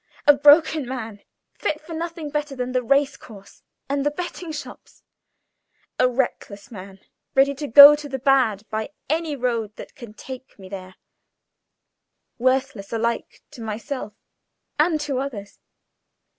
a broken man, fit for nothing better than the race course and the betting rooms; a reckless man, ready to go to the bad by any road that can take me there worthless alike to myself and to others.